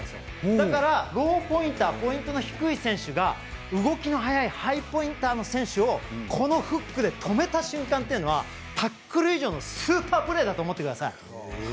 だから、ローポインターポイントの低い選手が動きの速いハイポインターの選手をこのフックで止めた瞬間というのはタックル以上のスーパープレーだと思ってください。